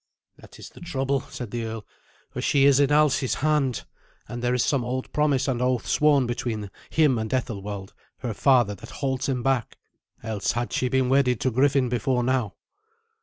"That is the trouble," said the earl, "for she is in Alsi's hand, and there is some old promise and oath sworn between him and Ethelwald her father that holds him back. Else had she been wedded to Griffin before now."